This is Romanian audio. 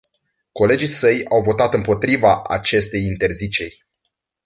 Colegii săi au votat împotriva acestei interziceri.